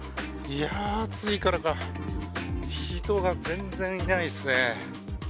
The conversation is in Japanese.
いやー、暑いからか、人が全然いないですね。